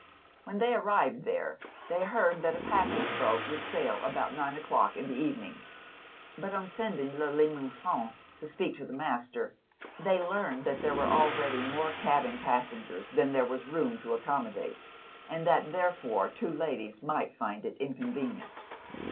When they arrived there, they heard that a passage boat would sail about nine o'clock in the evening; but on sending Le Limosin to speak to the master, they learned that there were already more cabin passengers than there was room to accommodate, and that therefore two ladies might find it inconvenient.